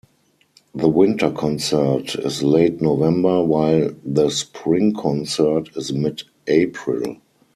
The winter concert is late November, while the spring concert is mid-April.